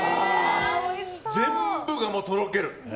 全部がとろける。